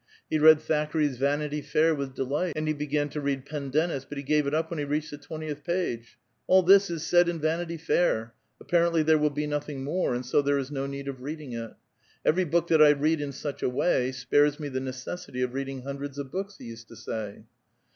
He read Thackerav's Vanity Fair" with delight, and he began to read '• Pen ciennis," but he gave it up when he reached the twentieth pAge '"AH this is said in ' Vanity Fair' ; apparently there '^vill be nothing more, and so there is no need of reading it. livery book that I read in such a way spares me the xiecessity of reading hundreds of books," he used to say.